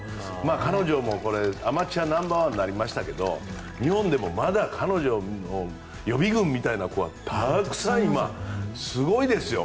彼女もアマチュアナンバー１になりましたけど日本でもまだ彼女の予備軍みたいなのがたくさん今、すごいですよ。